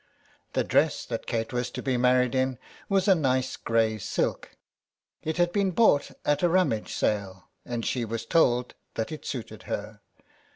The dress that Kate was to be married in was a nice grey silk. It had been bought at a rummage sale, and she was told that it suited her.